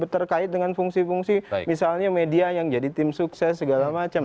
terkait dengan fungsi fungsi misalnya media yang jadi tim sukses segala macam